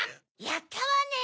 やったわね！